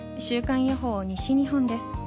週間予報、西日本です。